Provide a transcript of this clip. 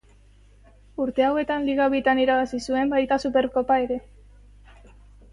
Urte hauetan liga bitan irabazi zuen baita Superkopa ere.